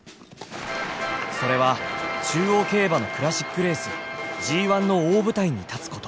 それは中央競馬のクラシックレースＧⅠの大舞台に立つこと。